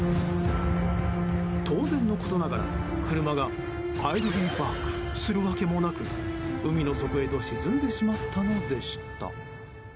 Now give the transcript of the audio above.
当然のことながら車がアイル・ビー・バックするわけもなく海の底へと沈んでしまったのでした。